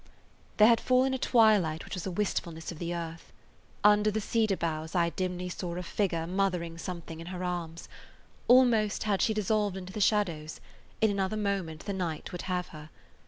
There had fallen a twilight which was a wistfulness of the earth. Under the cedar boughs I dimly saw a figure mothering something in her arms. Almost had she dissolved into the shadows; in another moment the night would have her.